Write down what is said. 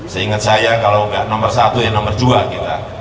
seingat saya kalau enggak nomor satu ya nomor dua